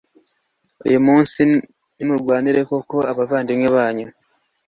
uyu munsi nimurwanire koko abavandimwe banyu